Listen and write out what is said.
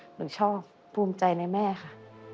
หนูชอบภูมิใจในแม่ค่ะ